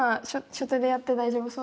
初手でやって大丈夫そうですか？